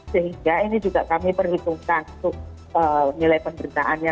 sehingga ini juga kami perhitungkan untuk nilai penderitaannya